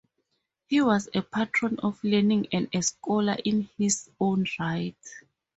He was a patron of learning and a scholar in his own right.